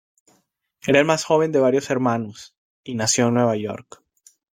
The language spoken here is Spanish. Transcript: Era el más joven de varios hermanos, y nació en Nueva York.